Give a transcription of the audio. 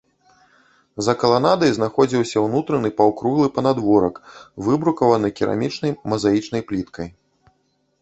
За каланадай знаходзіўся ўнутраны паўкруглы панадворак, выбрукаваны керамічнай мазаічнай пліткай.